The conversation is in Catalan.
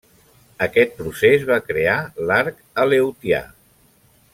Aquest procés va crear l'arc aleutià.